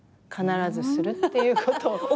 必ずするっていうことを。